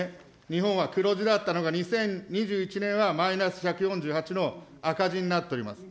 日本は黒字だったのが、２０２１年はマイナス１４８の赤字になっております。